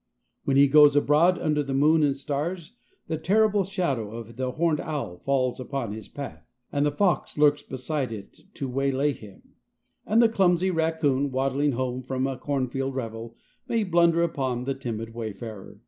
When he goes abroad under the moon and stars, the terrible shadow of the horned owl falls upon his path, and the fox lurks beside it to waylay him, and the clumsy raccoon, waddling home from a cornfield revel, may blunder upon the timid wayfarer.